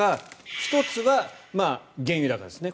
１つは原油高ですね。